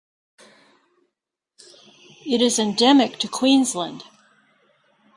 It is endemic to Queensland.